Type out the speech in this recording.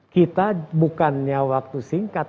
kita bukannya waktu singkat